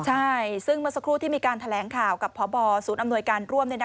ใช่ซึ่งเมื่อสักครู่ที่มีการแถลงข่าวกับพบศูนย์อำนวยการร่วม